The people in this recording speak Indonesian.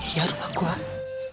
tau tipe gue bangun